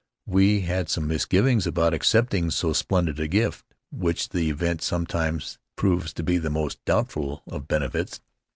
We had some misgivings about accepting so splendid a gift, which the event sometimes proves to be the most doubtful of benefits.